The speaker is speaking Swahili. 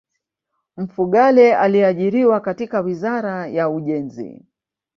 Mfugale aliajiriwa katika wizara ya ujenzi